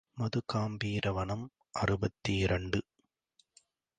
மதுகாம்பீர வனம் அறுபத்திரண்டு.